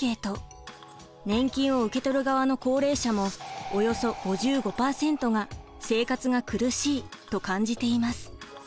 年金を受け取る側の高齢者もおよそ５５％が「生活が苦しい」と感じています。